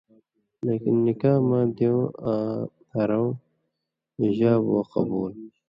لیکن نِکاح مہ دېوں آں ہرؤں (ایجاب و قبُول)